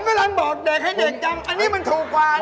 เวลาบอกเด็กให้เด็กจำอันนี้มันถูกกว่า